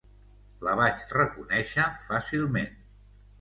La vaig reconéixer fàcilment.